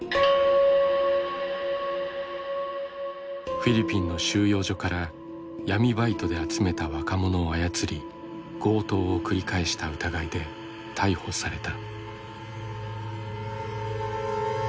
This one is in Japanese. フィリピンの収容所から闇バイトで集めた若者を操り強盗を繰り返した疑いで逮捕された。